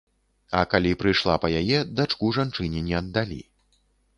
А калі прыйшла па яе, дачку жанчыне не аддалі.